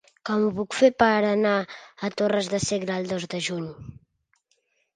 Com ho puc fer per anar a Torres de Segre el dos de juny?